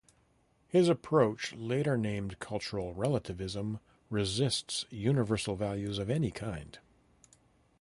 His approach, later named cultural relativism, resists universal values of any kind.